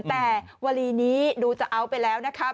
แต่วันนี้ดูจะอัลไปแล้วนะครับ